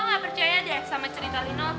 gue gak percaya deh sama cerita lino